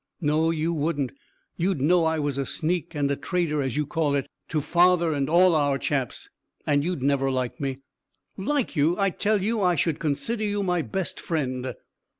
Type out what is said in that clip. "No, you wouldn't. You'd know I was a sneak and a traitor, as you call it, to father and all our chaps, and you'd never like me." "Like you! I tell you I should consider you my best friend."